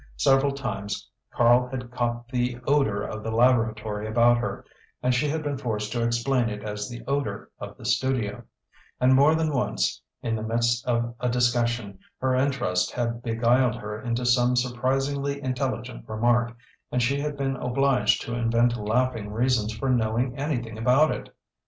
Several times Karl had caught the odour of the laboratory about her, and she had been forced to explain it as the odour of the studio; and more than once, in the midst of a discussion, her interest had beguiled her into some surprisingly intelligent remark, and she had been obliged to invent laughing reasons for knowing anything about it.